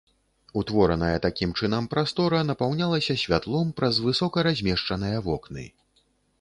Утвораная такім чынам прастора напаўнялася святлом праз высока размешчаныя вокны.